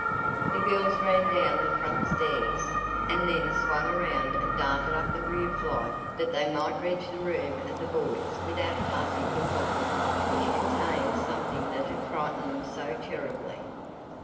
The girls ran down the front stairs, and then swung around and darted up the rear flight that they might reach the room of the boys without passing the closet which contained something that had frightened them so terribly.